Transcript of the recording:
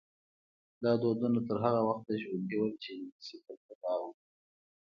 دا دودونه تر هغه وخته ژوندي وو چې انګلیسي کلتور راغی.